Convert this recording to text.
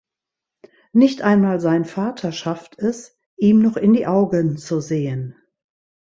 Nicht einmal sein Vater schafft es, ihm noch in die Augen zu sehen.